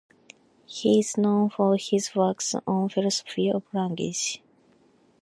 He is known for his works on philosophy of language.